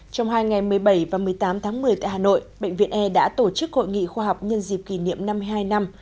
trong hai ngày một mươi bảy và một mươi tám tháng một mươi tại hà nội bệnh viện e đã tổ chức hội nghị khoa học nhân dịp kỷ niệm năm mươi hai năm